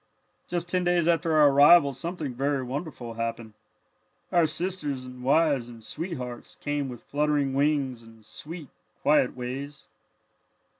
"Just ten days after our arrival something very wonderful happened. Our sisters and wives and sweethearts came with fluttering wings and sweet, quiet ways.